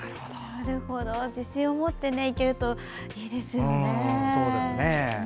自信を持っていけるといいですよね。